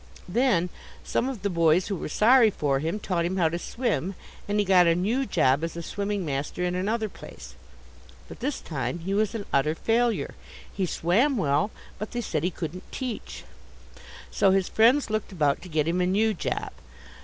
Then some of the boys who were sorry for him taught him how to swim, and he got a new job as a swimming master in another place. But this time he was an utter failure. He swam well, but they said he couldn't teach. So his friends looked about to get him a new job.